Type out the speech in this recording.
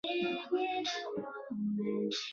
吃咖哩烤饼